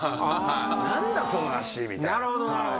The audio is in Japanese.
「何だその脚」みたいな。